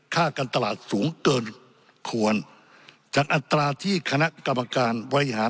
ค่าการตลาดสูงเกินควรจากอัตราที่คณะกรรมการบริหาร